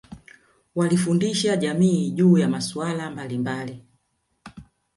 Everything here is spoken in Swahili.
walifundisha jamii juu ya masuala mbalimbali